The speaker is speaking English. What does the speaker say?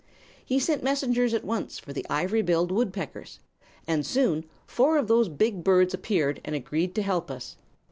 He sent messengers at once for the ivory billed woodpeckers, and soon four of those big birds appeared and agreed to help us.